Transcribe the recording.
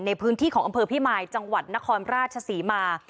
ในพื้นที่ของอำเภอพิมายจังหวัดนครราชศรีมา